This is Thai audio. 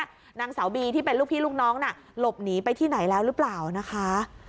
นางสาวบีที่เป็นลูกพี่ลูกน้องน่ะหลบหนีไปที่ไหนแล้วหรือเปล่านะคะ